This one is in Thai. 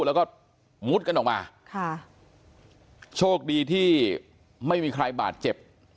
แล้วก็มุดกันออกมาค่ะโชคดีที่ไม่มีใครบาดเจ็บ